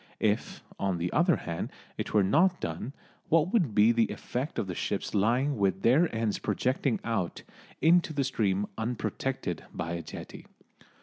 If, on the other hand, it were not done, what would be the effect of the ships lying with their ends projecting out into the stream unprotected by a jetty.